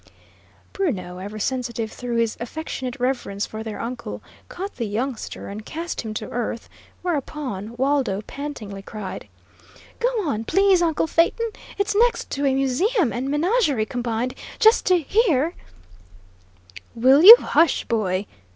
Bruno, ever sensitive through his affectionate reverence for their uncle, caught the youngster, and cast him to earth, whereupon Waldo pantingly cried: "Go on, please, uncle Phaeton. It's next thing to a museum and menagerie combined, just to hear " "Will you hush, boy?"